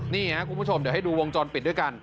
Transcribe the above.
นี่ครับคุณผู้ชมเดี๋ยวให้ดูวงจรปิดด้วยกัน